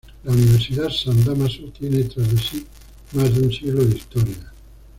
La Universidad san Dámaso tiene tras de sí más de un siglo de historia.